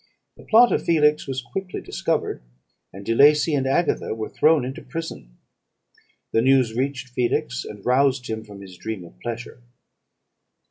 The plot of Felix was quickly discovered, and De Lacey and Agatha were thrown into prison. The news reached Felix, and roused him from his dream of pleasure.